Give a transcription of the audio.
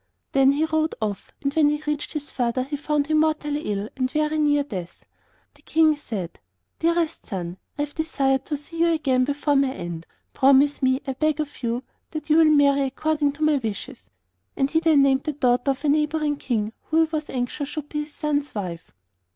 Then he rode off, and when he reached his father he found him mortally ill and very near death. The King said: 'Dearest son, I have desired to see you again before my end. Promise me, I beg of you, that you will marry according to my wishes'; and he then named the daughter of a neighbouring King who he was anxious should be his son's wife.